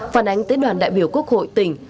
phản ánh tới đoàn đại biểu quốc hội tỉnh